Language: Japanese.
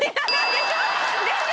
でしょ！